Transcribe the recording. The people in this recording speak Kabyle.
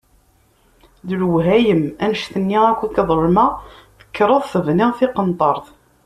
D lewhayem! Annect-nni akk i k-ḍelmeɣ, tekkreḍ tebniḍ tiqenṭert!